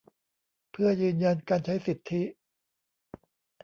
เพื่อยืนยันการใช้สิทธิ